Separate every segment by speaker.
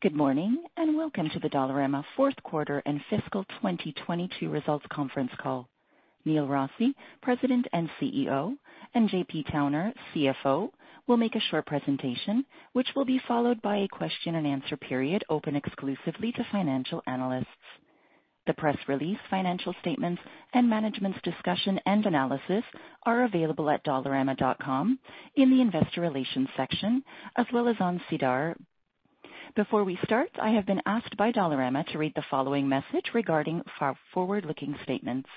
Speaker 1: Good morning, and welcome to the Dollarama fourth quarter and fiscal 2022 results conference call. Neil Rossy, President and CEO, and Jean-Philippe Towner, CFO, will make a short presentation which will be followed by a question and answer period open exclusively to financial analysts. The press release, financial statements, and management's discussion and analysis are available at dollarama.com in the investor relations section, as well as on SEDAR. Before we start, I have been asked by Dollarama to read the following message regarding forward-looking statements.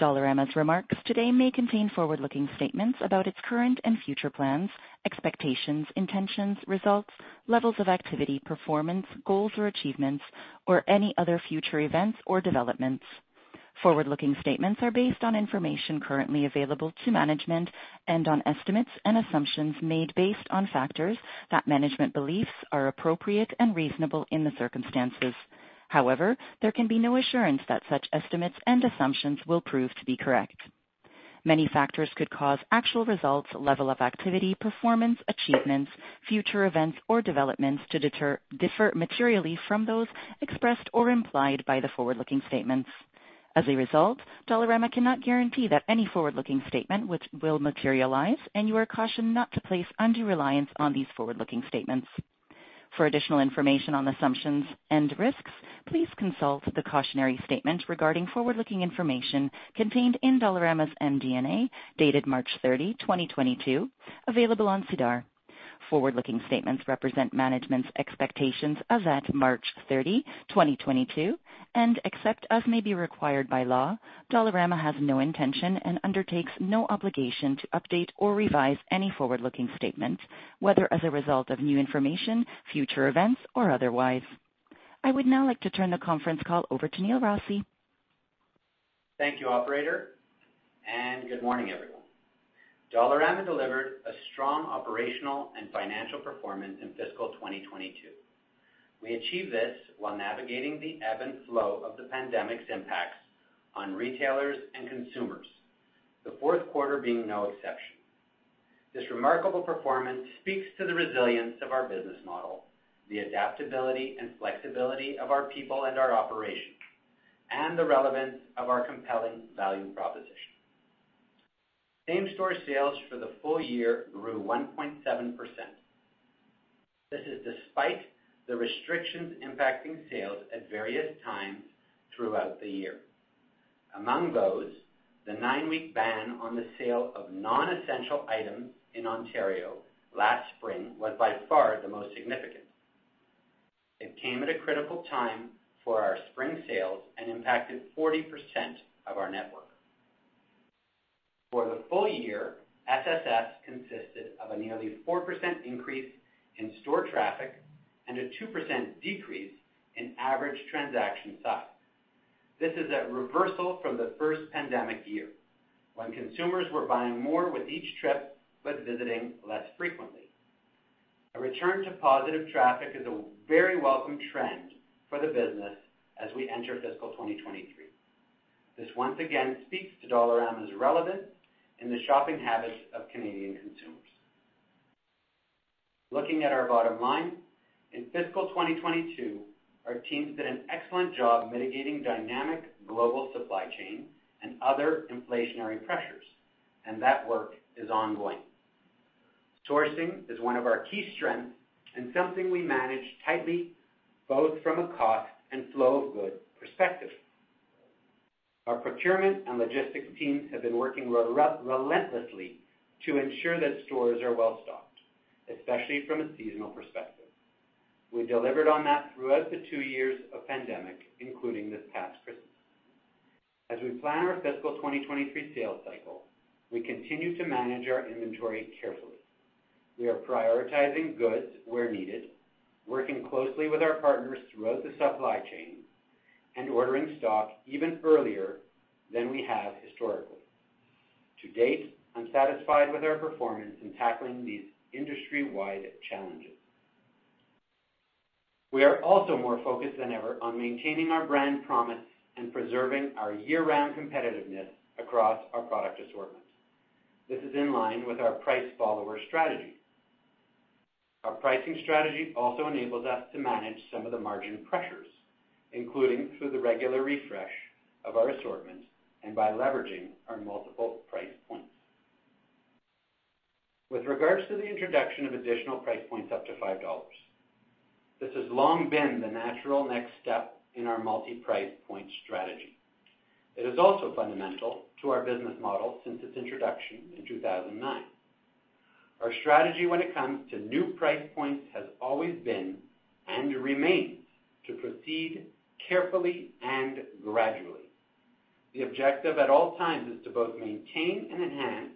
Speaker 1: Dollarama's remarks today may contain forward-looking statements about its current and future plans, expectations, intentions, results, levels of activity, performance, goals or achievements, or any other future events or developments. Forward-looking statements are based on information currently available to management and on estimates and assumptions made based on factors that management believes are appropriate and reasonable in the circumstances. However, there can be no assurance that such estimates and assumptions will prove to be correct. Many factors could cause actual results, level of activity, performance, achievements, future events or developments to differ materially from those expressed or implied by the forward-looking statements. As a result, Dollarama cannot guarantee that any forward-looking statement which will materialize, and you are cautioned not to place undue reliance on these forward-looking statements. For additional information on assumptions and risks, please consult the cautionary statement regarding forward-looking information contained in Dollarama's MD&A, dated March 30, 2022, available on SEDAR. Forward-looking statements represent management's expectations as at March 30, 2022, and except as may be required by law, Dollarama has no intention and undertakes no obligation to update or revise any forward-looking statement, whether as a result of new information, future events, or otherwise. I would now like to turn the conference call over to Neil Rossy.
Speaker 2: Thank you, operator, and good morning, everyone. Dollarama delivered a strong operational and financial performance in fiscal 2022. We achieved this while navigating the ebb and flow of the pandemic's impacts on retailers and consumers, the fourth quarter being no exception. This remarkable performance speaks to the resilience of our business model, the adaptability and flexibility of our people and our operations, and the relevance of our compelling value proposition. Same-store sales for the full year grew 1.7%. This is despite the restrictions impacting sales at various times throughout the year. Among those, the nine-week ban on the sale of non-essential items in Ontario last spring was by far the most significant. It came at a critical time for our spring sales and impacted 40% of our network. For the full year, SSS consisted of a nearly 4% increase in store traffic and a 2% decrease in average transaction size. This is a reversal from the first pandemic year, when consumers were buying more with each trip but visiting less frequently. A return to positive traffic is a very welcome trend for the business as we enter fiscal 2023. This once again speaks to Dollarama's relevance in the shopping habits of Canadian consumers. Looking at our bottom line, in fiscal 2022, our team did an excellent job mitigating dynamic global supply chain and other inflationary pressures, and that work is ongoing. Sourcing is one of our key strengths and something we manage tightly, both from a cost and flow of goods perspective. Our procurement and logistics teams have been working relentlessly to ensure that stores are well-stocked, especially from a seasonal perspective. We delivered on that throughout the two years of pandemic, including this past Christmas. As we plan our fiscal 2023 sales cycle, we continue to manage our inventory carefully. We are prioritizing goods where needed, working closely with our partners throughout the supply chain and ordering stock even earlier than we have historically. To date, I'm satisfied with our performance in tackling these industry-wide challenges. We are also more focused than ever on maintaining our brand promise and preserving our year-round competitiveness across our product assortments. This is in line with our price follower strategy. Our pricing strategy also enables us to manage some of the margin pressures, including through the regular refresh of our assortments and by leveraging our multiple price points. With regards to the introduction of additional price points up to 5 dollars, this has long been the natural next step in our multi-price point strategy. It is also fundamental to our business model since its introduction in 2009. Our strategy when it comes to new price points has always been and remains to proceed carefully and gradually. The objective at all times is to both maintain and enhance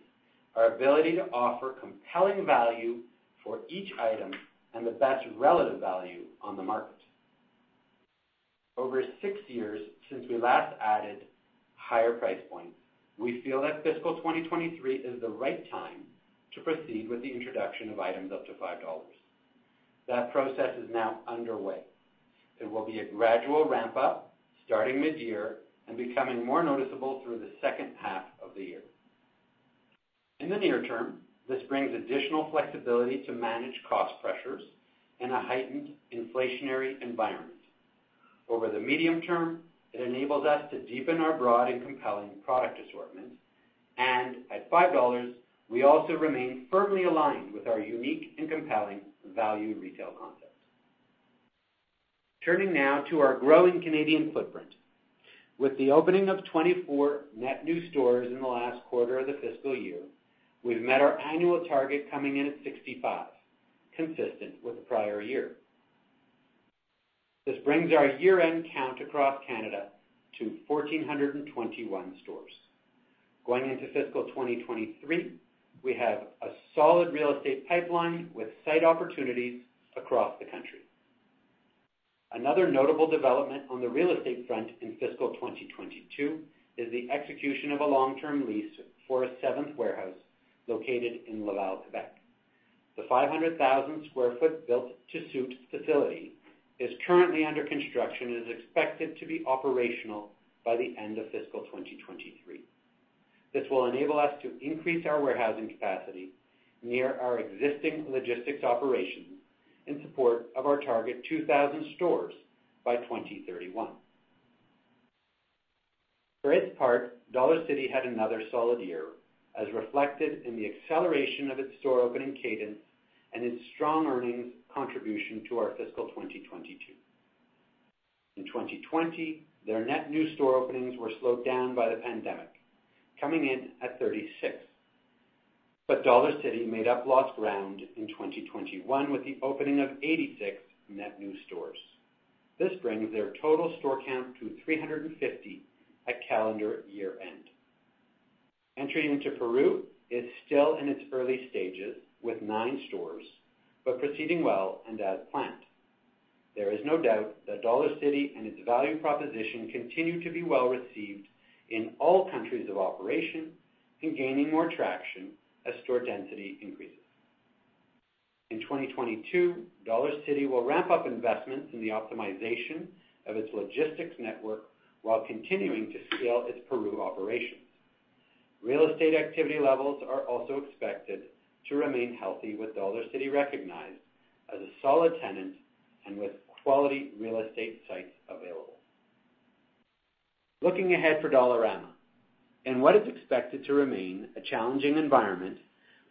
Speaker 2: our ability to offer compelling value for each item and the best relative value on the market. Over six years since we last added higher price points, we feel that fiscal 2023 is the right time to proceed with the introduction of items up to 5 dollars. That process is now underway. It will be a gradual ramp up starting mid-year and becoming more noticeable through the second half of the year. In the near term, this brings additional flexibility to manage cost pressures in a heightened inflationary environment. Over the medium term, it enables us to deepen our broad and compelling product assortment. At five dollars, we also remain firmly aligned with our unique and compelling value retail concept. Turning now to our growing Canadian footprint. With the opening of 24 net new stores in the last quarter of the fiscal year, we've met our annual target coming in at 65, consistent with the prior year. This brings our year-end count across Canada to 1,421 stores. Going into fiscal 2023, we have a solid real estate pipeline with site opportunities across the country. Another notable development on the real estate front in fiscal 2022 is the execution of a long-term lease for a seventh warehouse located in Laval, Quebec. The 500,000 sq ft built-to-suit facility is currently under construction and is expected to be operational by the end of fiscal 2023. This will enable us to increase our warehousing capacity near our existing logistics operations in support of our target 2,000 stores by 2031. For its part, Dollarcity had another solid year, as reflected in the acceleration of its store opening cadence and its strong earnings contribution to our fiscal 2022. In 2020, their net new store openings were slowed down by the pandemic, coming in at 36. Dollarcity made up lost ground in 2021 with the opening of 86 net new stores. This brings their total store count to 350 at calendar year end. Entering into Peru is still in its early stages with nine stores, but proceeding well and as planned. There is no doubt that Dollarcity and its value proposition continue to be well-received in all countries of operation and gaining more traction as store density increases. In 2022, Dollarcity will ramp up investments in the optimization of its logistics network while continuing to scale its Peru operations. Real estate activity levels are also expected to remain healthy, with Dollarcity recognized as a solid tenant and with quality real estate sites available. Looking ahead for Dollarama, in what is expected to remain a challenging environment,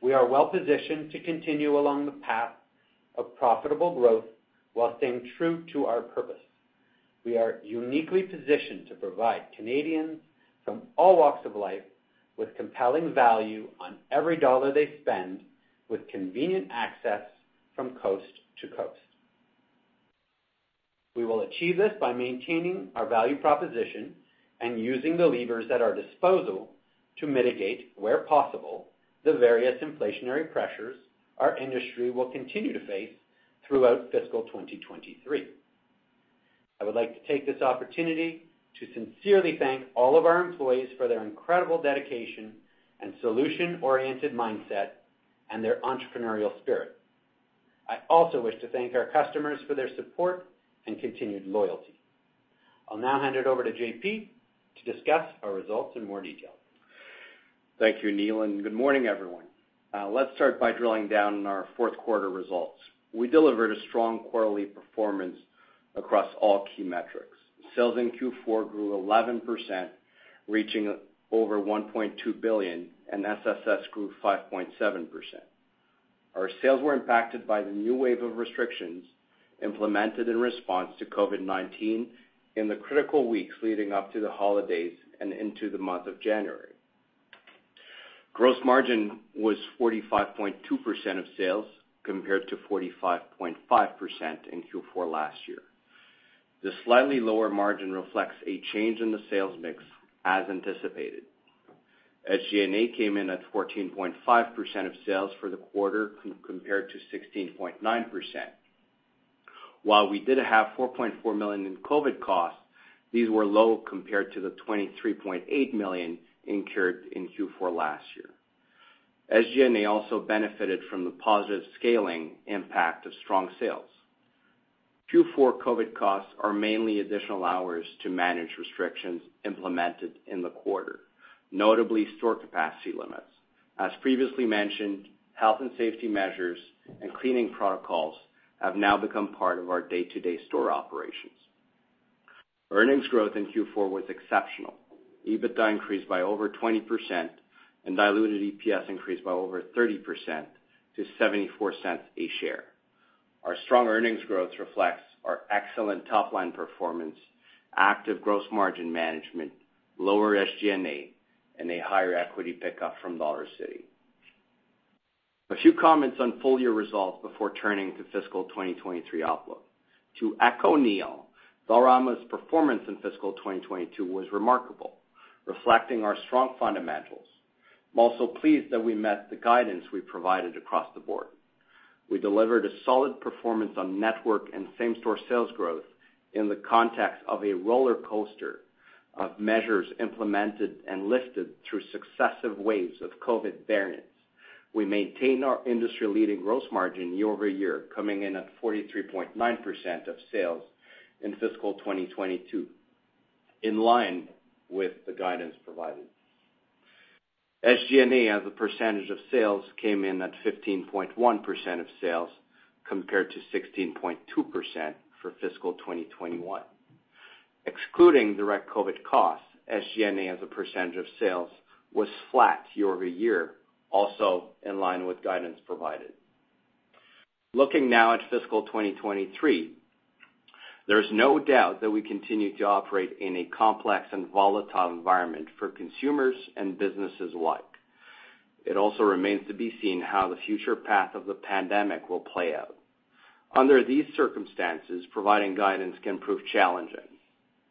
Speaker 2: we are well-positioned to continue along the path of profitable growth while staying true to our purpose. We are uniquely positioned to provide Canadians from all walks of life with compelling value on every dollar they spend with convenient access from coast to coast. We will achieve this by maintaining our value proposition and using the levers at our disposal to mitigate, where possible, the various inflationary pressures our industry will continue to face throughout fiscal 2023. I would like to take this opportunity to sincerely thank all of our employees for their incredible dedication and solution-oriented mindset and their entrepreneurial spirit. I also wish to thank our customers for their support and continued loyalty. I'll now hand it over to JP to discuss our results in more detail.
Speaker 3: Thank you, Neil, and good morning, everyone. Let's start by drilling down on our fourth quarter results. We delivered a strong quarterly performance across all key metrics. Sales in Q4 grew 11%, reaching over 1.2 billion, and SSS grew 5.7%. Our sales were impacted by the new wave of restrictions implemented in response to COVID-19 in the critical weeks leading up to the holidays and into the month of January. Gross margin was 45.2% of sales, compared to 45.5% in Q4 last year. The slightly lower margin reflects a change in the sales mix, as anticipated. SG&A came in at 14.5% of sales for the quarter, compared to 16.9%. While we did have 4.4 million in COVID costs, these were low compared to the 23.8 million incurred in Q4 last year. SG&A also benefited from the positive scaling impact of strong sales. Q4 COVID costs are mainly additional hours to manage restrictions implemented in the quarter, notably store capacity limits. As previously mentioned, health and safety measures and cleaning protocols have now become part of our day-to-day store operations. Earnings growth in Q4 was exceptional. EBITDA increased by over 20%, and diluted EPS increased by over 30% to 0.74 a share. Our strong earnings growth reflects our excellent top-line performance, active gross margin management, lower SG&A, and a higher equity pickup from Dollarcity. A few comments on full-year results before turning to fiscal 2023 outlook. To echo Neil, Dollarama's performance in fiscal 2022 was remarkable, reflecting our strong fundamentals. I'm also pleased that we met the guidance we provided across the board. We delivered a solid performance on network and same-store sales growth in the context of a roller coaster of measures implemented and lifted through successive waves of COVID variants. We maintained our industry-leading gross margin year over year, coming in at 43.9% of sales in fiscal 2022. In line with the guidance provided. SG&A as a percentage of sales came in at 15.1% of sales compared to 16.2% for fiscal 2021. Excluding direct COVID costs, SG&A as a percentage of sales was flat year-over-year, also in line with guidance provided. Looking now at fiscal 2023, there is no doubt that we continue to operate in a complex and volatile environment for consumers and businesses alike. It also remains to be seen how the future path of the pandemic will play out. Under these circumstances, providing guidance can prove challenging,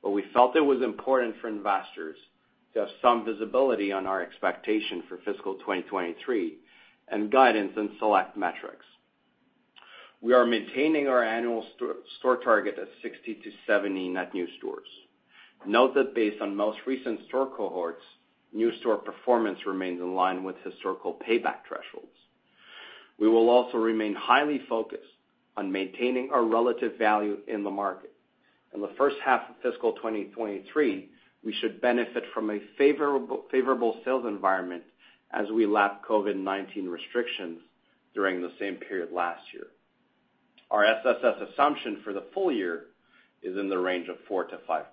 Speaker 3: but we felt it was important for investors to have some visibility on our expectation for fiscal 2023 and guidance in select metrics. We are maintaining our annual store target at 60-70 net new stores. Note that based on most recent store cohorts, new store performance remains in line with historical payback thresholds. We will also remain highly focused on maintaining our relative value in the market. In the first half of fiscal 2023, we should benefit from a favorable sales environment as we lap COVID-19 restrictions during the same period last year. Our SSS assumption for the full year is in the range of 4%-5%.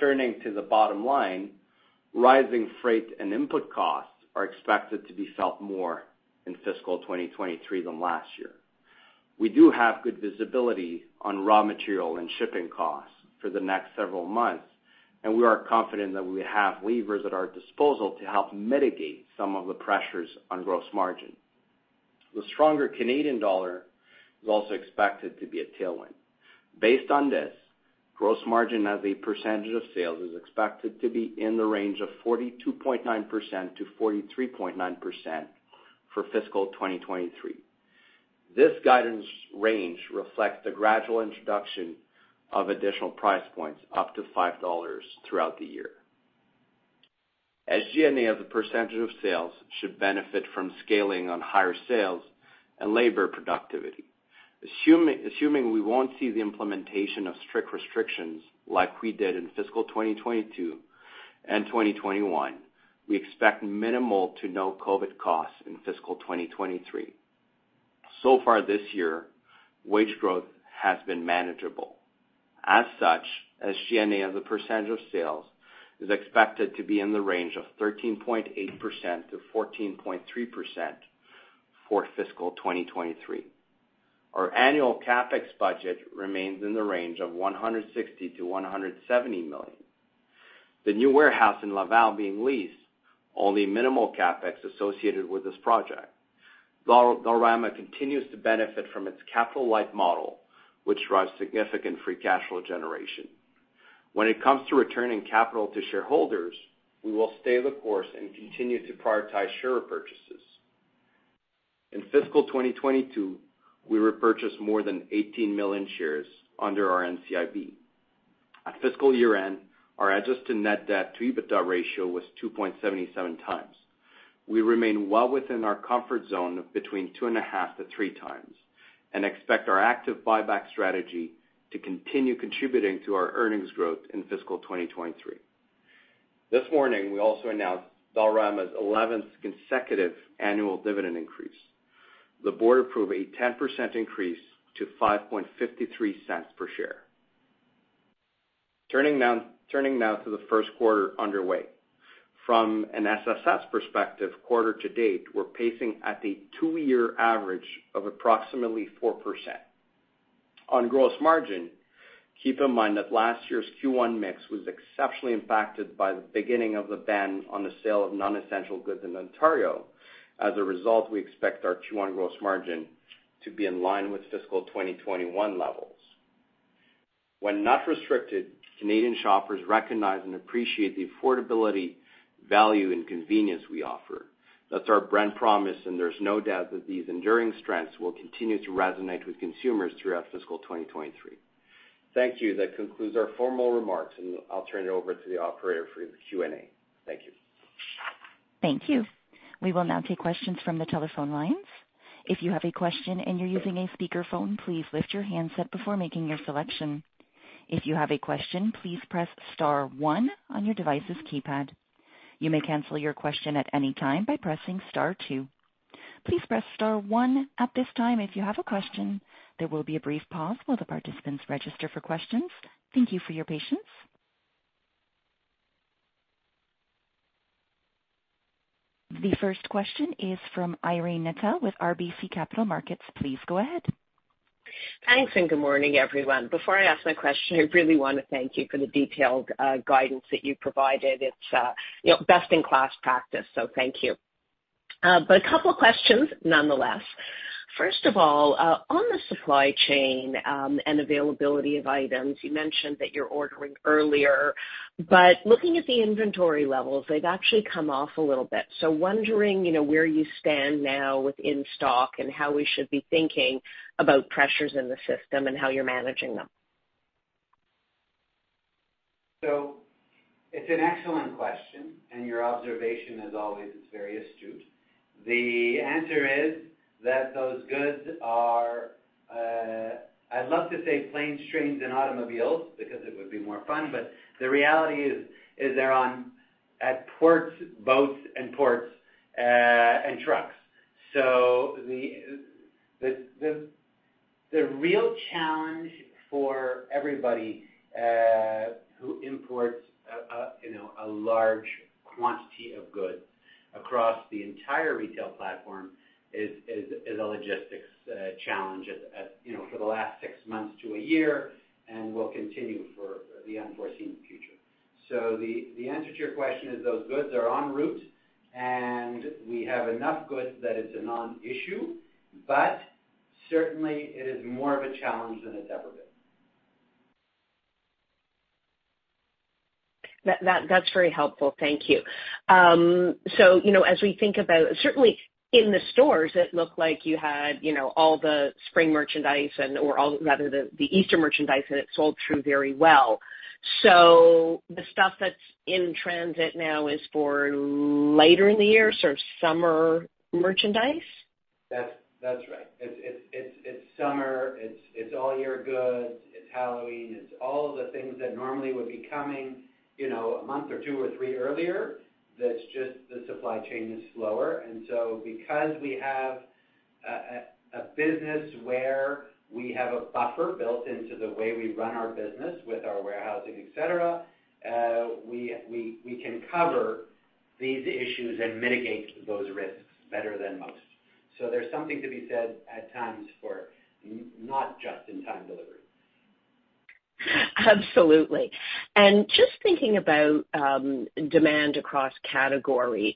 Speaker 3: Turning to the bottom line, rising freight and input costs are expected to be felt more in fiscal 2023 than last year. We do have good visibility on raw material and shipping costs for the next several months, and we are confident that we have levers at our disposal to help mitigate some of the pressures on gross margin. The stronger Canadian dollar is also expected to be a tailwind. Based on this, gross margin as a percentage of sales is expected to be in the range of 42.9%-43.9% for fiscal 2023. This guidance range reflects the gradual introduction of additional price points up to 5 dollars throughout the year. SG&A as a percentage of sales should benefit from scaling on higher sales and labor productivity. Assuming we won't see the implementation of strict restrictions like we did in fiscal 2022 and 2021, we expect minimal to no COVID-19 costs in fiscal 2023. So far this year, wage growth has been manageable. As such, SG&A as a percentage of sales is expected to be in the range of 13.8%-14.3% for fiscal 2023. Our annual CapEx budget remains in the range of 160 million-170 million. The new warehouse in Laval is being leased, only minimal CapEx associated with this project. Dollarama continues to benefit from its capital-light model, which drives significant free cash flow generation. When it comes to returning capital to shareholders, we will stay the course and continue to prioritize share purchases. In fiscal 2022, we repurchased more than 18 million shares under our NCIB. At fiscal year-end, our adjusted net debt to EBITDA ratio was 2.77 times. We remain well within our comfort zone of between 2.5 and three times, and expect our active buyback strategy to continue contributing to our earnings growth in fiscal 2023. This morning, we also announced Dollarama's 11th consecutive annual dividend increase. The board approved a 10% increase to 0.0553 per share. Turning now to the first quarter underway. From an SSS perspective quarter to date, we're pacing at a two-year average of approximately 4%. On gross margin, keep in mind that last year's Q1 mix was exceptionally impacted by the beginning of the ban on the sale of non-essential goods in Ontario. As a result, we expect our Q1 gross margin to be in line with fiscal 2021 levels. When not restricted, Canadian shoppers recognize and appreciate the affordability, value, and convenience we offer. That's our brand promise, and there's no doubt that these enduring strengths will continue to resonate with consumers throughout fiscal 2023. Thank you. That concludes our formal remarks, and I'll turn it over to the operator for the Q&A. Thank you.
Speaker 1: Thank you. We will now take questions from the telephone lines. If you have a question and you're using a speakerphone, please lift your handset before making your selection. If you have a question, please press star one on your device's keypad. You may cancel your question at any time by pressing star two. Please press star one at this time if you have a question. There will be a brief pause while the participants register for questions. Thank you for your patience. The first question is from Irene Nattel with RBC Capital Markets. Please go ahead.
Speaker 4: Thanks, and good morning, everyone. Before I ask my question, I really want to thank you for the detailed guidance that you provided. It's, you know, best-in-class practice, so thank you. But a couple of questions nonetheless. First of all, on the supply chain and availability of items, you mentioned that you're ordering earlier, but looking at the inventory levels, they've actually come off a little bit. Wondering, you know, where you stand now with in-stock and how we should be thinking about pressures in the system and how you're managing them.
Speaker 3: It's an excellent question, and your observation, as always, is very astute. The answer is that those goods are. I'd love to say planes, trains, and automobiles because it would be more fun, but the reality is they're on boats at ports and trucks. So the real challenge for everybody who imports, you know, a large quantity of goods across the entire retail platform is a logistics challenge as you know for the last six months to a year and will continue for the unforeseen future. So the answer to your question is those goods are en route, and we have enough goods that it's a non-issue, but certainly it is more of a challenge than it's ever been.
Speaker 4: That's very helpful. Thank you. You know, as we think about certainly in the stores it looked like you had, you know, all the spring merchandise and/or, rather, the Easter merchandise, and it sold through very well. The stuff that's in transit now is for later in the year, sort of summer merchandise?
Speaker 3: That's right. It's summer, it's all year goods, it's Halloween, it's all of the things that normally would be coming, you know, a month or two or three earlier. That's just the supply chain is slower. Because we have a business where we have a buffer built into the way we run our business with our warehousing, et cetera, we can cover these issues and mitigate those risks better than most. There's something to be said at times for not just-in-time delivery.
Speaker 4: Absolutely. Just thinking about demand across categories,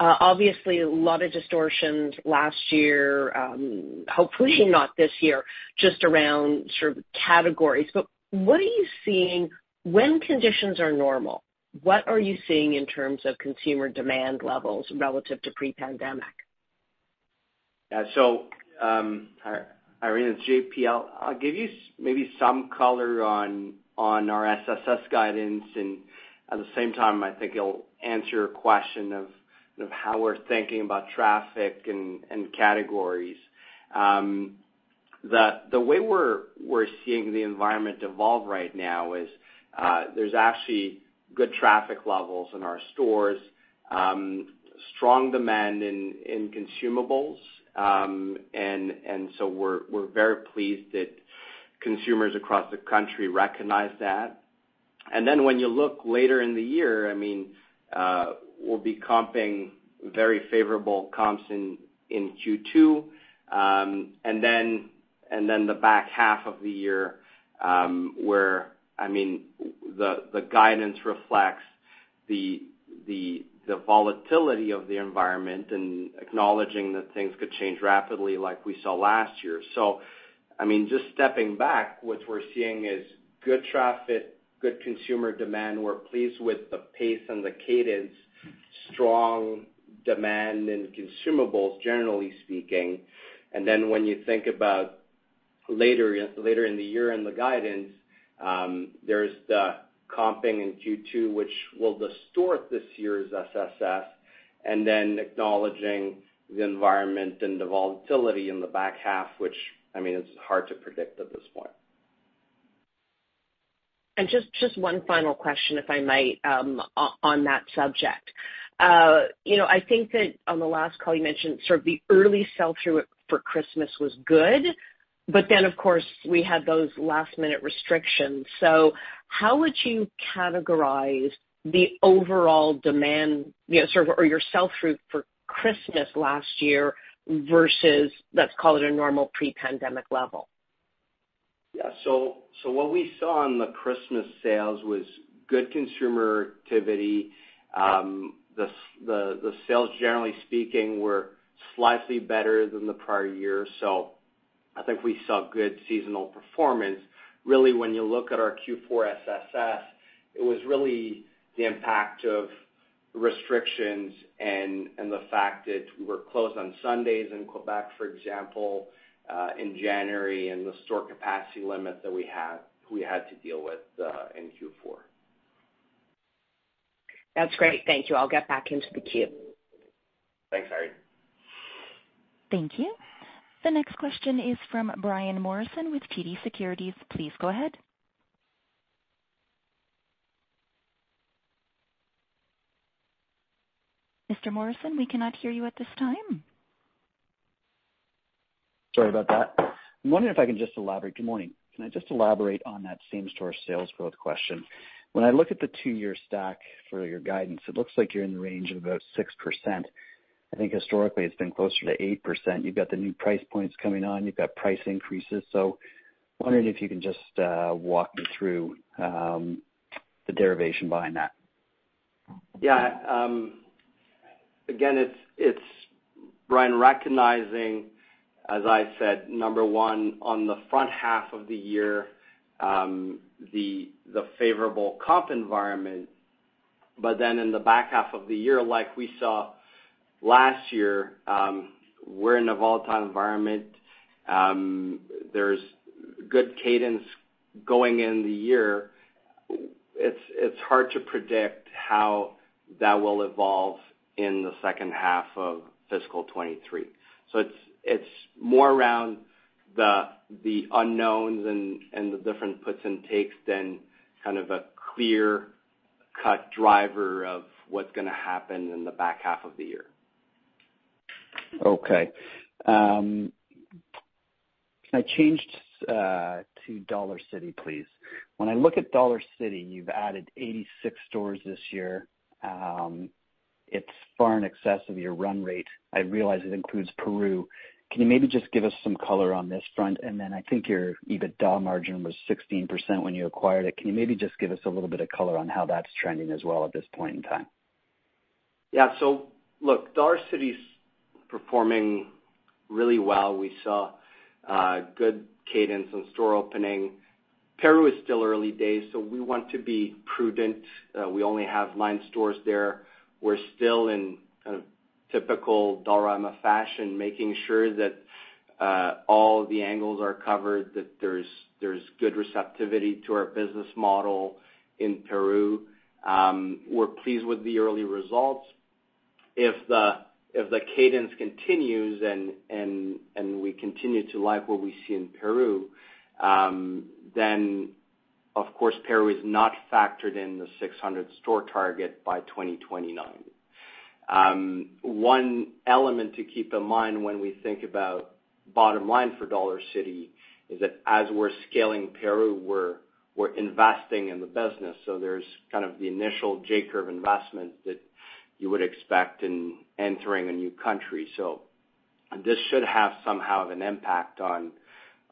Speaker 4: obviously a lot of distortions last year, hopefully not this year, just around sort of categories. What are you seeing when conditions are normal? What are you seeing in terms of consumer demand levels relative to pre-pandemic?
Speaker 3: Yeah. Irene, it's JP. I'll give you maybe some color on our SSS guidance and at the same time, I think it'll answer your question, you know, how we're thinking about traffic and categories. The way we're seeing the environment evolve right now is there's actually good traffic levels in our stores, strong demand in consumables. We're very pleased that consumers across the country recognize that. When you look later in the year, I mean, we'll be comping very favorable comps in Q2. The back half of the year, where the guidance reflects the volatility of the environment and acknowledging that things could change rapidly like we saw last year. I mean, just stepping back, what we're seeing is good traffic, good consumer demand. We're pleased with the pace and the cadence, strong demand in consumables, generally speaking. Then when you think about later in the year and the guidance, there's the comping in Q2, which will distort this year's SSS and then acknowledging the environment and the volatility in the back half, which I mean, is hard to predict at this point.
Speaker 4: Just one final question, if I might, on that subject. You know, I think that on the last call you mentioned sort of the early sell-through for Christmas was good, but then of course we had those last-minute restrictions. How would you categorize the overall demand, you know, sort of, or your sell-through for Christmas last year versus, let's call it a normal pre-pandemic level?
Speaker 3: Yeah. What we saw on the Christmas sales was good consumer activity. The sales generally speaking were slightly better than the prior year. I think we saw good seasonal performance. Really when you look at our Q4 SSS, it was really the impact of restrictions and the fact that we were closed on Sundays in Quebec, for example, in January, and the store capacity limit that we had to deal with in Q4.
Speaker 4: That's great. Thank you. I'll get back into the queue.
Speaker 3: Thanks, Irene.
Speaker 1: Thank you. The next question is from Brian Morrison with TD Securities. Please go ahead. Mr. Morrison, we cannot hear you at this time.
Speaker 5: Sorry about that. I'm wondering if I can just elaborate. Good morning. Can I just elaborate on that same store sales growth question? When I look at the two-year stack for your guidance, it looks like you're in the range of about 6%. I think historically it's been closer to 8%. You've got the new price points coming on. You've got price increases. Wondering if you can just walk me through the derivation behind that.
Speaker 3: Yeah. Again, it's Brian, recognizing, as I said, number one, on the front half of the year, the favorable comp environment, but then in the back half of the year, like we saw last year, we're in a volatile environment. Good cadence going in the year. It's hard to predict how that will evolve in the second half of fiscal 2023. It's more around the unknowns and the different puts and takes than kind of a clear-cut driver of what's gonna happen in the back half of the year.
Speaker 5: Okay. Can I change to Dollarcity, please? When I look at Dollarcity, you've added 86 stores this year. It's far in excess of your run rate. I realize it includes Peru. Can you maybe just give us some color on this front? I think your EBITDA margin was 16% when you acquired it. Can you maybe just give us a little bit of color on how that's trending as well at this point in time?
Speaker 3: Yeah. Look, Dollarcity's performing really well. We saw good cadence in store opening. Peru is still early days, so we want to be prudent. We only have nine stores there. We're still in kind of typical Dollarama fashion, making sure that all the angles are covered, that there's good receptivity to our business model in Peru. We're pleased with the early results. If the cadence continues and we continue to like what we see in Peru, then of course, Peru is not factored in the 600 store target by 2029. One element to keep in mind when we think about bottom line for Dollarcity is that as we're scaling Peru, we're investing in the business. There's kind of the initial J-curve investment that you would expect in entering a new country. This should have some sort of an impact on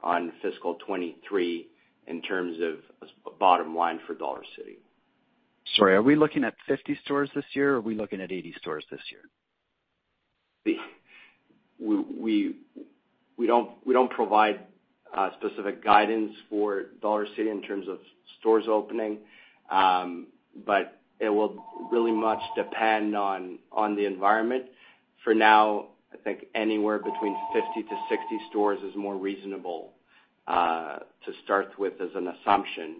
Speaker 3: FY 2023 in terms of bottom line for Dollarcity.
Speaker 5: Sorry, are we looking at 50 stores this year, or are we looking at 80 stores this year?
Speaker 3: We don't provide specific guidance for Dollarcity in terms of stores opening, but it will really much depend on the environment. For now, I think anywhere between 50-60 stores is more reasonable to start with as an assumption,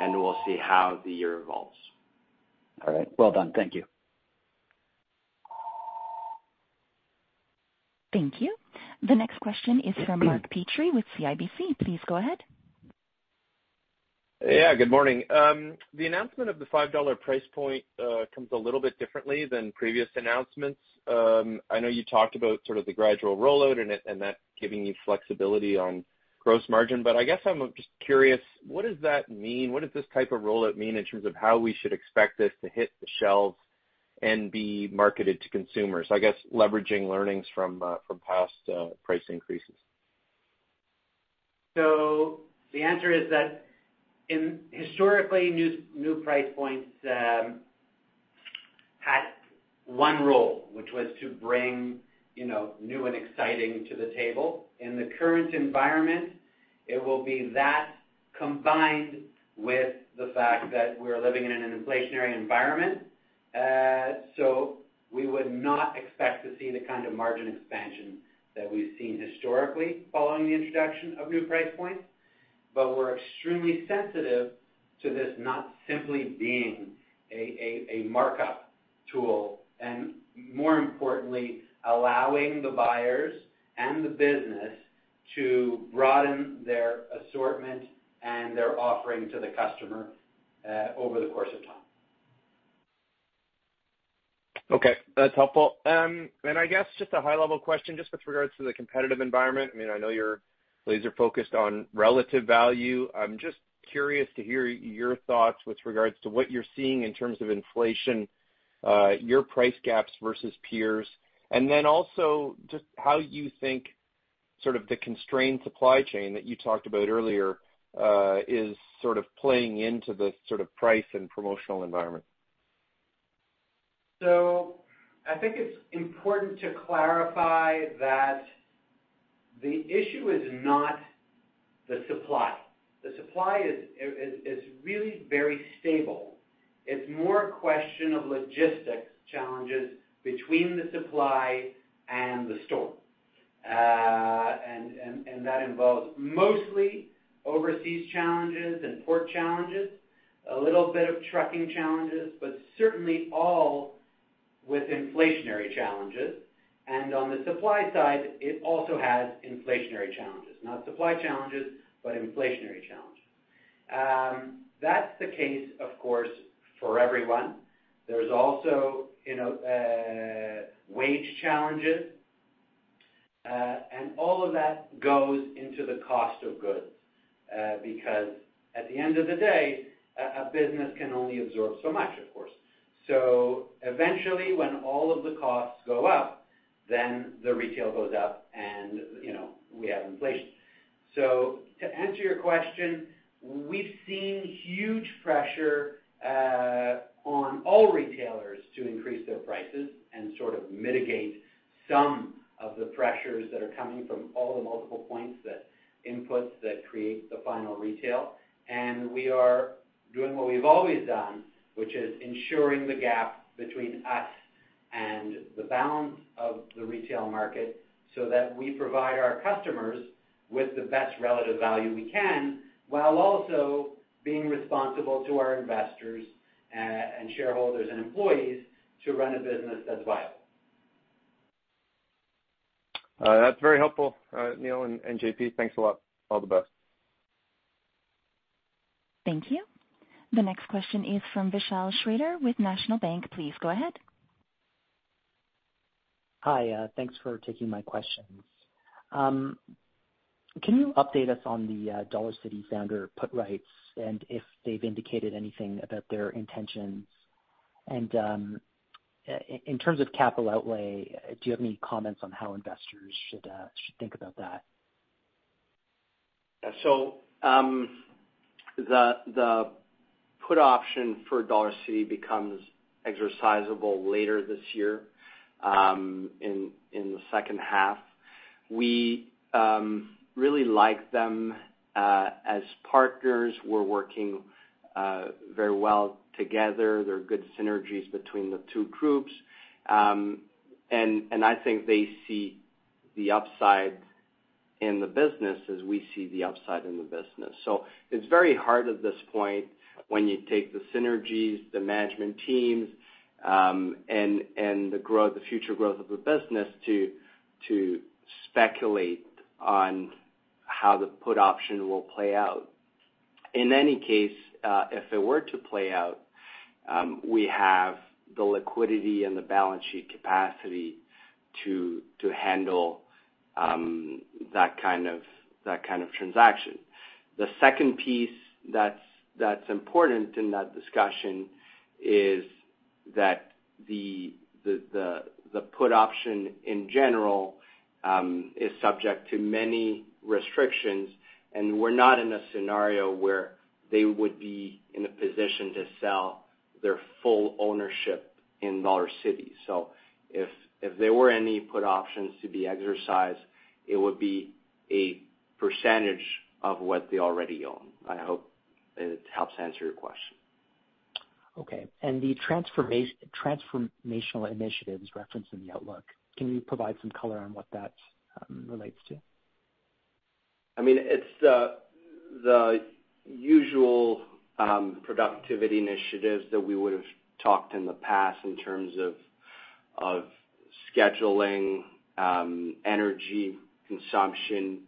Speaker 3: and we'll see how the year evolves.
Speaker 5: All right. Well done. Thank you.
Speaker 1: Thank you. The next question is from Mark Petrie with CIBC. Please go ahead.
Speaker 6: Yeah, good morning. The announcement of the 5 dollar price point comes a little bit differently than previous announcements. I know you talked about sort of the gradual rollout and that, and that giving you flexibility on gross margin, but I guess I'm just curious, what does that mean? What does this type of rollout mean in terms of how we should expect this to hit the shelves and be marketed to consumers? I guess leveraging learnings from past price increases.
Speaker 3: The answer is that in historically new price points had one role, which was to bring, you know, new and exciting to the table. In the current environment, it will be that combined with the fact that we're living in an inflationary environment. We would not expect to see the kind of margin expansion that we've seen historically following the introduction of new price points. We're extremely sensitive to this not simply being a markup tool, and more importantly, allowing the buyers and the business to broaden their assortment and their offering to the customer over the course of time.
Speaker 6: Okay, that's helpful. I guess just a high-level question, just with regards to the competitive environment. I mean, I know you're laser-focused on relative value. I'm just curious to hear your thoughts with regards to what you're seeing in terms of inflation, your price gaps versus peers. And then also just how you think sort of the constrained supply chain that you talked about earlier, is sort of playing into the sort of price and promotional environment?
Speaker 2: I think it's important to clarify that the issue is not the supply. The supply is really very stable. It's more a question of logistics challenges between the supply and the store. That involves mostly overseas challenges and port challenges, a little bit of trucking challenges, but certainly all with inflationary challenges. On the supply side, it also has inflationary challenges. Not supply challenges, but inflationary challenges. That's the case, of course, for everyone. There's also, you know, wage challenges, and all of that goes into the cost of goods, because at the end of the day, a business can only absorb so much, of course. Eventually, when all of the costs go up, then the retail goes up and, you know, we have inflation.
Speaker 3: To answer your question, we've seen huge pressure on all retailers to increase their prices and sort of mitigate some of the pressures that are coming from all the multiple points that inputs that create the final retail. We are doing what we've always done, which is ensuring the gap between us and the balance of the retail market so that we provide our customers with the best relative value we can, while also being responsible to our investors and shareholders and employees to run a business that's viable.
Speaker 6: That's very helpful, Neil and JP. Thanks a lot. All the best.
Speaker 1: Thank you. The next question is from Vishal Shreedhar with National Bank. Please go ahead.
Speaker 7: Hi, thanks for taking my questions. Can you update us on the Dollarcity founder put rights and if they've indicated anything about their intentions? In terms of capital outlay, do you have any comments on how investors should think about that?
Speaker 3: The put option for Dollarcity becomes exercisable later this year, in the second half. We really like them as partners. We're working very well together. There are good synergies between the two groups. I think they see the upside in the business as we see the upside in the business. It's very hard at this point when you take the synergies, the management teams, and the growth, the future growth of the business to speculate on how the put option will play out. In any case, if it were to play out, we have the liquidity and the balance sheet capacity to handle that kind of transaction. The second piece that's important in that discussion is that the put option in general is subject to many restrictions, and we're not in a scenario where they would be in a position to sell their full ownership in Dollarcity. If there were any put options to be exercised, it would be a percentage of what they already own. I hope it helps answer your question.
Speaker 7: Okay. The transformational initiatives referenced in the outlook, can you provide some color on what that relates to?
Speaker 3: I mean, it's the usual productivity initiatives that we would've talked in the past in terms of scheduling, energy consumption,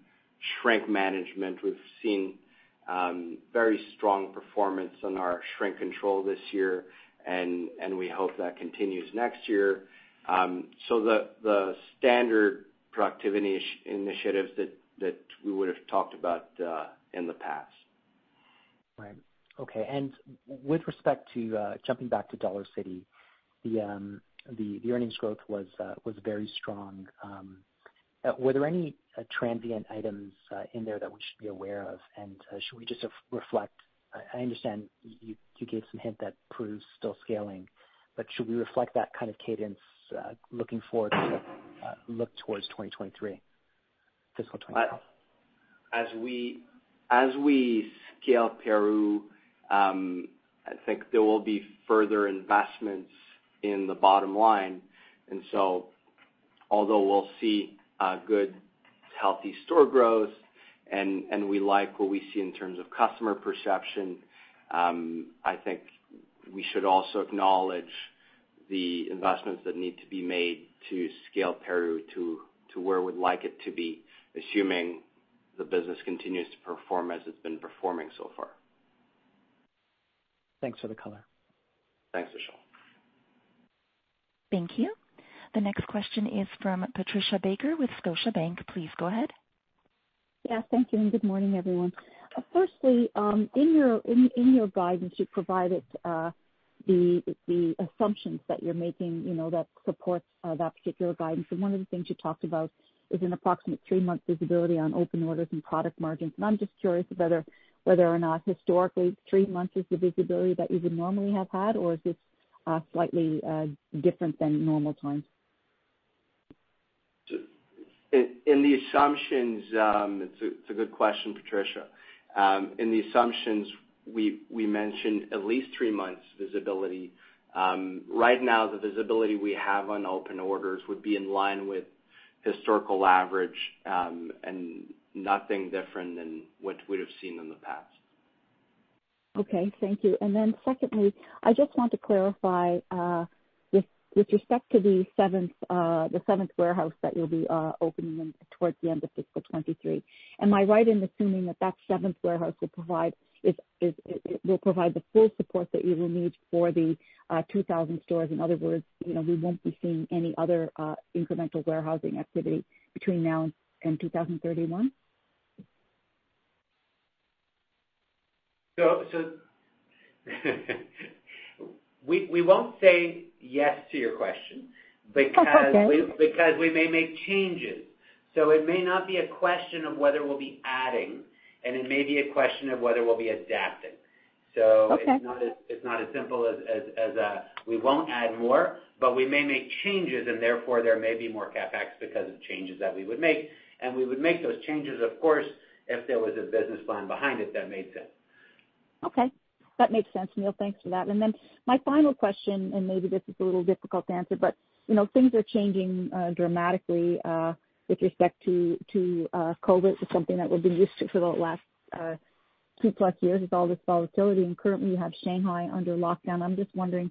Speaker 3: shrink management. We've seen very strong performance on our shrink control this year, and we hope that continues next year. The standard productivity initiatives that we would've talked about in the past.
Speaker 7: Right. Okay. With respect to jumping back to Dollarcity, the earnings growth was very strong. Were there any transient items in there that we should be aware of? Should we just reflect. I understand you gave some hint that Peru's still scaling, but should we reflect that kind of cadence looking forward to look towards 2023, fiscal 2023?
Speaker 3: As we scale Peru, I think there will be further investments in the bottom line, and so although we'll see a good, healthy store growth and we like what we see in terms of customer perception, I think we should also acknowledge the investments that need to be made to scale Peru to where we'd like it to be, assuming the business continues to perform as it's been performing so far.
Speaker 7: Thanks for the color.
Speaker 3: Thanks, Vishal.
Speaker 1: Thank you. The next question is from Patricia Baker with Scotiabank. Please go ahead.
Speaker 8: Yeah. Thank you, and good morning, everyone. Firstly, in your guidance, you provided the assumptions that you're making, you know, that supports that particular guidance. One of the things you talked about is an approximate three-month visibility on open orders and product margins. I'm just curious whether or not historically three months is the visibility that you would normally have had or is this slightly different than normal times?
Speaker 3: In the assumptions, it's a good question, Patricia. In the assumptions, we mentioned at least three months visibility. Right now, the visibility we have on open orders would be in line with historical average, and nothing different than what we'd have seen in the past.
Speaker 8: Okay. Thank you. Secondly, I just want to clarify with respect to the seventh warehouse that you'll be opening towards the end of fiscal 2023. Am I right in assuming that seventh warehouse will provide the full support that you will need for the 2,000 stores? In other words, you know, we won't be seeing any other incremental warehousing activity between now and 2031?
Speaker 3: We won't say yes to your question because.
Speaker 8: That's okay.
Speaker 2: Because we may make changes. It may not be a question of whether we'll be adding, and it may be a question of whether we'll be adapting.
Speaker 8: Okay.
Speaker 3: It's not as simple as we won't add more, but we may make changes and therefore there may be more CapEx because of changes that we would make. We would make those changes, of course, if there was a business plan behind it that made sense.
Speaker 8: Okay, that makes sense, Neil. Thanks for that. My final question, maybe this is a little difficult to answer, but you know, things are changing dramatically with respect to COVID-19 to something that we've been used to for the last two plus years with all this volatility. Currently you have Shanghai under lockdown. I'm just wondering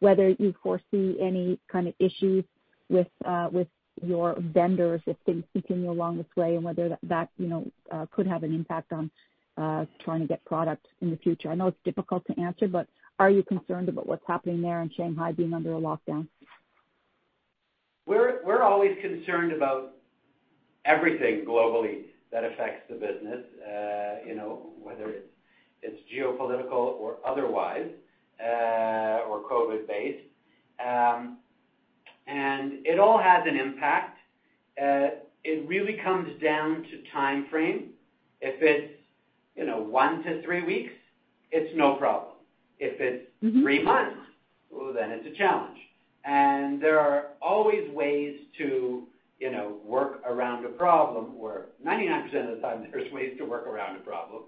Speaker 8: whether you foresee any kind of issues with your vendors if things continue along this way and whether that you know could have an impact on trying to get product in the future. I know it's difficult to answer, but are you concerned about what's happening there in Shanghai being under a lockdown?
Speaker 2: We're always concerned about everything globally that affects the business. You know, whether it's geopolitical or otherwise, or COVID-based. It all has an impact. It really comes down to timeframe. If it's you know one to three weeks, it's no problem. If it's-
Speaker 8: Mm-hmm.
Speaker 2: For three months, well, then it's a challenge. There are always ways to, you know, work around a problem, or 99% of the time there's ways to work around a problem.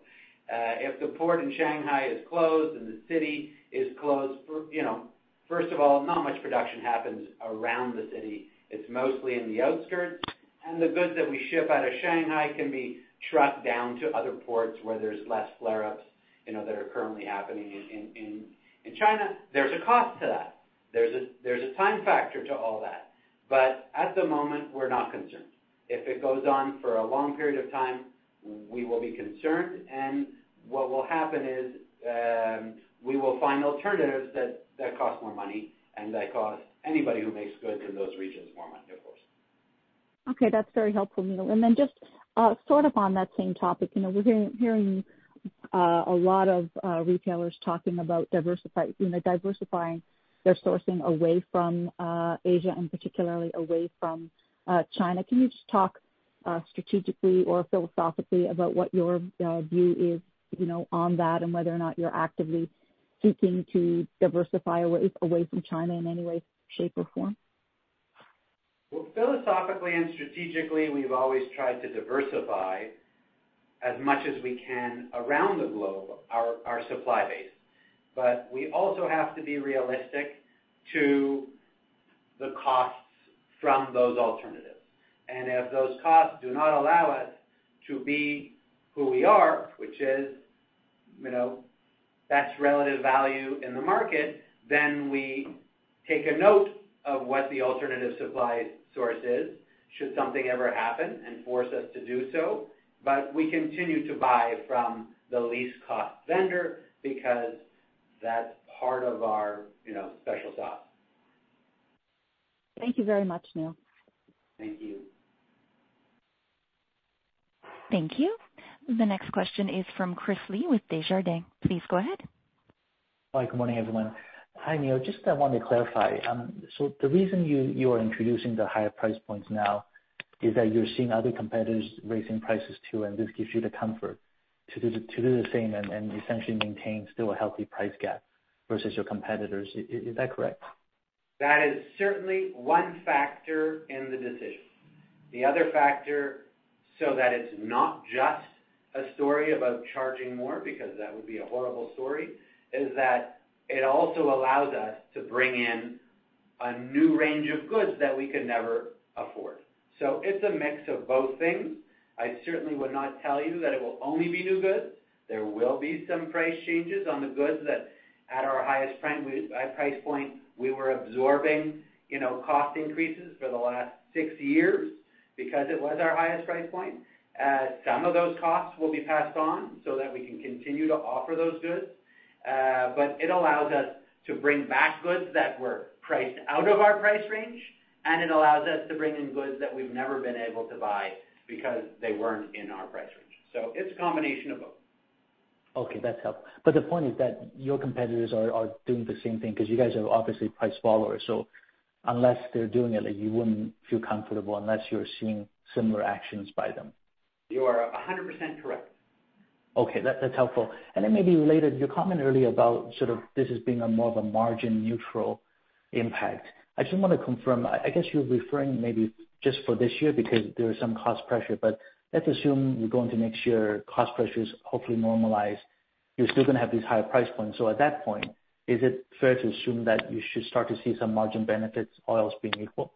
Speaker 2: If the port in Shanghai is closed and the city is closed, you know, first of all, not much production happens around the city. It's mostly in the outskirts. The goods that we ship out of Shanghai can be trucked down to other ports where there's less flare-ups, you know, that are currently happening in China. There's a cost to that. There's a time factor to all that. At the moment, we're not concerned. If it goes on for a long period of time, we will be concerned, and what will happen is, we will find alternatives that cost more money and that cost anybody who makes goods in those regions more money, of course.
Speaker 8: Okay, that's very helpful, Neil. Then just sort of on that same topic, you know, we're hearing a lot of retailers talking about you know, diversifying their sourcing away from Asia and particularly away from China. Can you just talk strategically or philosophically about what your view is, you know, on that, and whether or not you're actively seeking to diversify away from China in any way, shape, or form?
Speaker 2: Well, philosophically and strategically, we've always tried to diversify as much as we can around the globe our supply base. We also have to be realistic to the costs from those alternatives. If those costs do not allow us to be who we are, which is, you know, best relative value in the market, then we take a note of what the alternative supply source is should something ever happen and force us to do so. We continue to buy from the least cost vendor because that's part of our, you know, special sauce.
Speaker 8: Thank you very much, Neil.
Speaker 2: Thank you.
Speaker 1: Thank you. The next question is from Chris Li with Desjardins. Please go ahead.
Speaker 9: Hi. Good morning, everyone. Hi, Neil. Just want to clarify. So the reason you are introducing the higher price points now is that you're seeing other competitors raising prices too, and this gives you the comfort to do the same and essentially maintain still a healthy price gap versus your competitors. Is that correct?
Speaker 2: That is certainly one factor in the decision. The other factor, so that it's not just a story about charging more, because that would be a horrible story, is that it also allows us to bring in a new range of goods that we could never afford. It's a mix of both things. I certainly would not tell you that it will only be new goods. There will be some price changes on the goods that at our highest price point, we were absorbing, you know, cost increases for the last six years because it was our highest price point. Some of those costs will be passed on so that we can continue to offer those goods. It allows us to bring back goods that were priced out of our price range, and it allows us to bring in goods that we've never been able to buy because they weren't in our price range. It's a combination of both.
Speaker 9: Okay, that's helpful. The point is that your competitors are doing the same thing because you guys are obviously price followers. Unless they're doing it, you wouldn't feel comfortable unless you're seeing similar actions by them.
Speaker 2: You are 100% correct.
Speaker 9: Okay. That's helpful. Maybe related, you commented earlier about sort of this as being more of a margin neutral impact. I just want to confirm. I guess you're referring maybe just for this year because there is some cost pressure. Let's assume you're going to make sure cost pressures hopefully normalize. You're still gonna have these higher price points. At that point, is it fair to assume that you should start to see some margin benefits, all else being equal?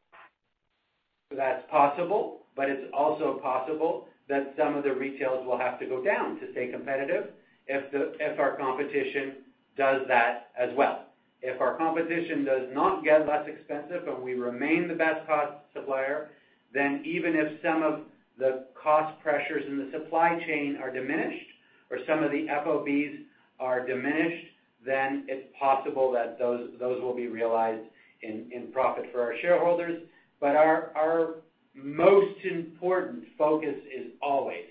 Speaker 2: That's possible, but it's also possible that some of the retailers will have to go down to stay competitive if our competition does that as well. If our competition does not get less expensive and we remain the best cost supplier, then even if some of the cost pressures in the supply chain are diminished or some of the FOBs are diminished, then it's possible that those will be realized in profit for our shareholders. Our most important focus is always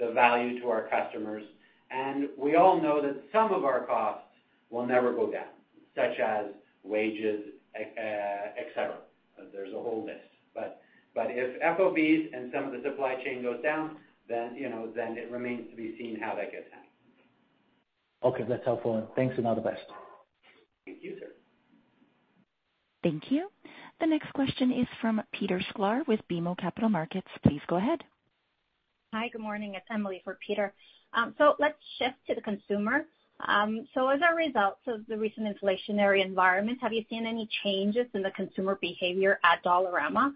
Speaker 2: the value to our customers. We all know that some of our costs will never go down, such as wages, et cetera. There's a whole list. If FOBs and some of the supply chain goes down, then, you know, then it remains to be seen how that gets handled.
Speaker 9: Okay, that's helpful. Thanks and all the best.
Speaker 2: Thank you, sir.
Speaker 1: Thank you. The next question is from Peter Sklar with BMO Capital Markets. Please go ahead.
Speaker 10: Hi, good morning. It's Emily for Peter. Let's shift to the consumer. As a result of the recent inflationary environment, have you seen any changes in the consumer behavior at Dollarama?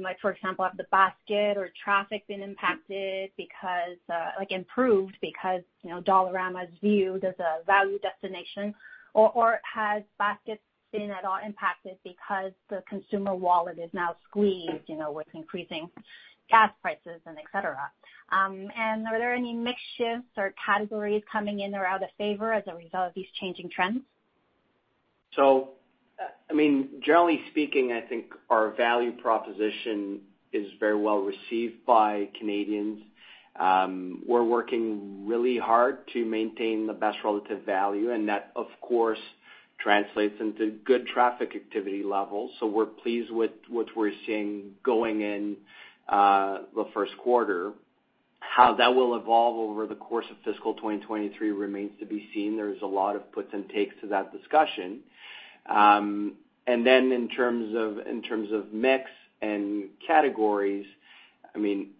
Speaker 10: Like for example, have the basket or traffic been impacted because like improved because, you know, Dollarama is viewed as a value destination? Or has baskets been at all impacted because the consumer wallet is now squeezed, you know, with increasing gas prices and et cetera? Are there any mix shifts or categories coming in or out of favor as a result of these changing trends?
Speaker 3: I mean, generally speaking, I think our value proposition is very well received by Canadians. We're working really hard to maintain the best relative value, and that of course translates into good traffic activity levels. We're pleased with what we're seeing going in the first quarter. How that will evolve over the course of fiscal 2023 remains to be seen. There's a lot of puts and takes to that discussion. In terms of mix and categories, I mean,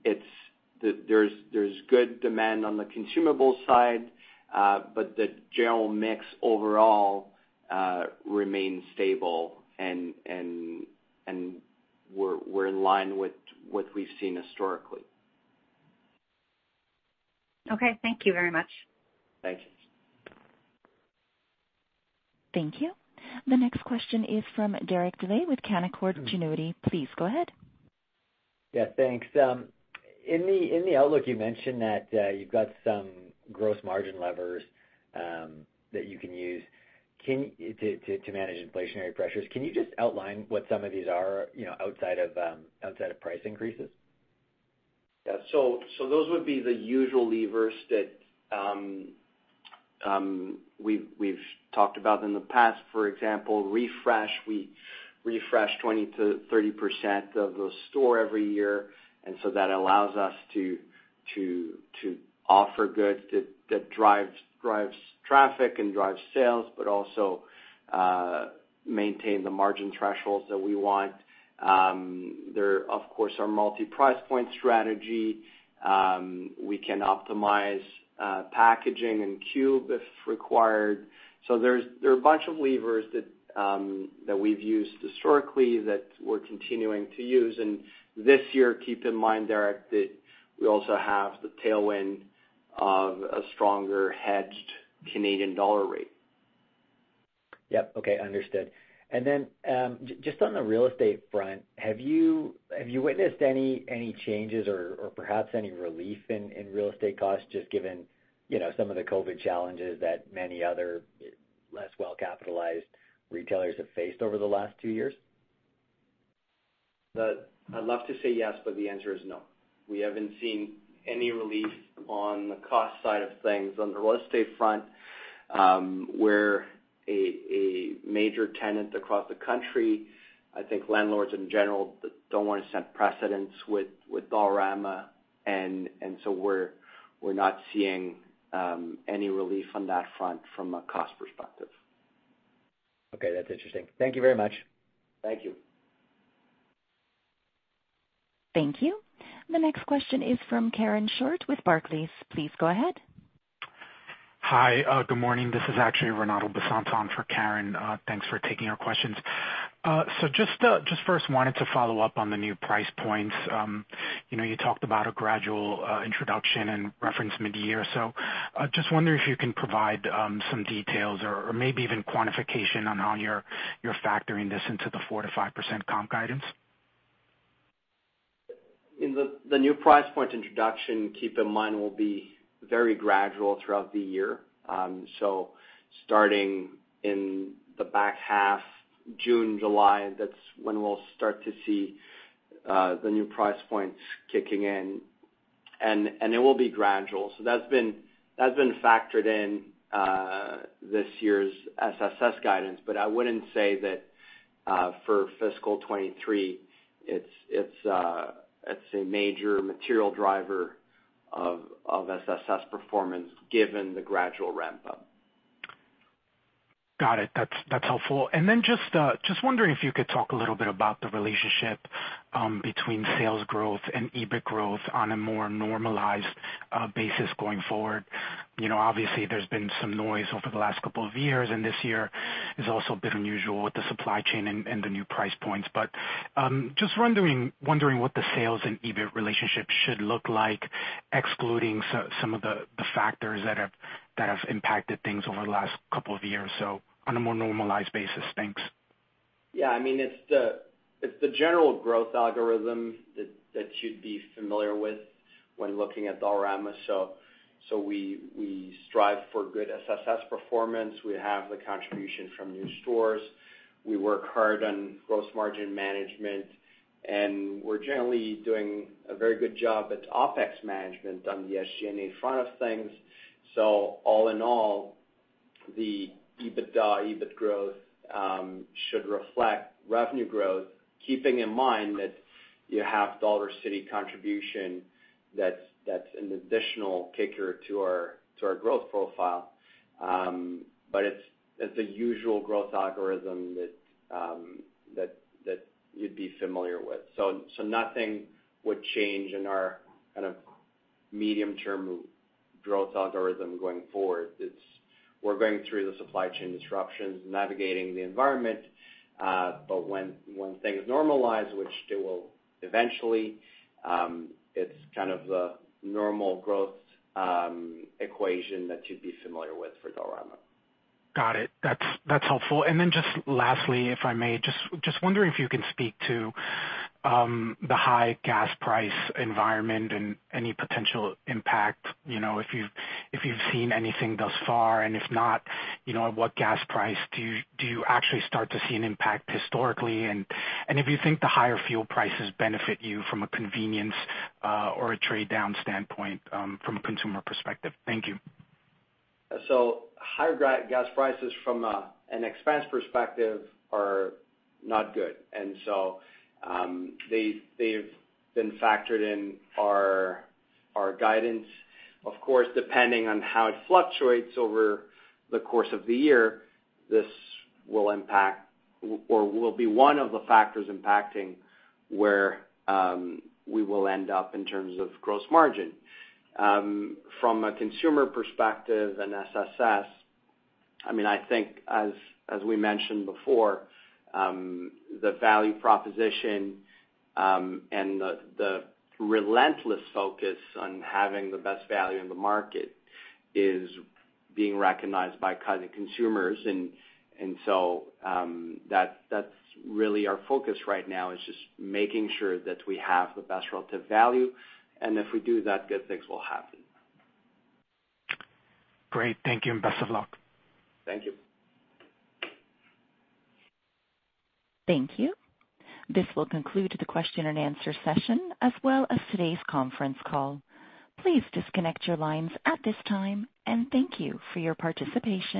Speaker 3: there's good demand on the consumable side, but the general mix overall remains stable and we're in line with what we've seen historically.
Speaker 10: Okay. Thank you very much.
Speaker 3: Thanks.
Speaker 1: Thank you. The next question is from Derek Dley with Canaccord Genuity. Please go ahead.
Speaker 11: Yeah, thanks. In the outlook you mentioned that you've got some gross margin levers that you can use to manage inflationary pressures. Can you just outline what some of these are, you know, outside of price increases?
Speaker 3: Yeah. Those would be the usual levers that we've talked about in the past. For example, refresh. We refresh 20%-30% of the store every year, and that allows us to offer goods that drives traffic and drives sales, but also maintain the margin thresholds that we want. There, of course, our multi-price point strategy. We can optimize packaging and cube if required. There are a bunch of levers that we've used historically that we're continuing to use. This year, keep in mind, Derek, that we also have the tailwind of a stronger hedged Canadian dollar rate.
Speaker 11: Yep. Okay. Understood. Just on the real estate front, have you witnessed any changes or perhaps any relief in real estate costs, just given, you know, some of the COVID challenges that many other less well-capitalized retailers have faced over the last two years?
Speaker 3: I'd love to say yes, but the answer is no. We haven't seen any relief on the cost side of things. On the real estate front, we're a major tenant across the country. I think landlords in general don't wanna set precedent with Dollarama, and so we're not seeing any relief on that front from a cost perspective.
Speaker 11: Okay, that's interesting. Thank you very much.
Speaker 3: Thank you.
Speaker 1: Thank you. The next question is from Karen Short with Barclays. Please go ahead.
Speaker 12: Hi. Good morning. This is actually Renato Basanta for Karen. Thanks for taking our questions. Just first wanted to follow up on the new price points. You know, you talked about a gradual introduction and referenced midyear. Just wondering if you can provide some details or maybe even quantification on how you're factoring this into the 4%-5% comp guidance.
Speaker 3: The new price point introduction, keep in mind, will be very gradual throughout the year. Starting in the back half, June, July, that's when we'll start to see the new price points kicking in. It will be gradual. That's been factored in this year's SSS guidance. I wouldn't say that for fiscal 2023, it's a major material driver of SSS performance given the gradual ramp up.
Speaker 12: Got it. That's helpful. Just wondering if you could talk a little bit about the relationship between sales growth and EBIT growth on a more normalized basis going forward. You know, obviously there's been some noise over the last couple of years, and this year is also a bit unusual with the supply chain and the new price points. Just wondering what the sales and EBIT relationship should look like, excluding some of the factors that have impacted things over the last couple of years, so on a more normalized basis. Thanks.
Speaker 3: Yeah. I mean, it's the general growth algorithm that you'd be familiar with when looking at Dollarama. We strive for good SSS performance. We have the contribution from new stores. We work hard on gross margin management, and we're generally doing a very good job at OPEX management on the SG&A front of things. All in all, the EBITDA, EBIT growth should reflect revenue growth. Keeping in mind that you have Dollarcity contribution, that's an additional kicker to our growth profile. It's a usual growth algorithm that you'd be familiar with. Nothing would change in our kind of medium-term growth algorithm going forward. We're going through the supply chain disruptions, navigating the environment, but when things normalize, which they will eventually, it's kind of the normal growth equation that you'd be familiar with for Dollarama.
Speaker 12: Got it. That's helpful. Just lastly, if I may, just wondering if you can speak to the high gas price environment and any potential impact, you know, if you've seen anything thus far, and if not, you know, at what gas price do you actually start to see an impact historically? If you think the higher fuel prices benefit you from a convenience or a trade-down standpoint, from a consumer perspective. Thank you.
Speaker 3: Higher gas prices from an expense perspective are not good. They've been factored in our guidance. Of course, depending on how it fluctuates over the course of the year, this will impact or will be one of the factors impacting where we will end up in terms of gross margin. From a consumer perspective and SSS, I mean, I think as we mentioned before, the value proposition and the relentless focus on having the best value in the market is being recognized by consumers. That's really our focus right now is just making sure that we have the best relative value. If we do that, good things will happen.
Speaker 12: Great. Thank you, and best of luck.
Speaker 3: Thank you.
Speaker 1: Thank you. This will conclude the question and answer session, as well as today's conference call. Please disconnect your lines at this time, and thank you for your participation.